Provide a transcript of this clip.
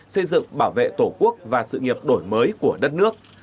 xây dựng bảo vệ tổ quốc và sự nghiệp đổi mới của đất nước